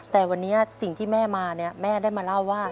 แต่วันนี้สิ่งที่แม่มาเนี่ยแม่ได้มาเล่าว่า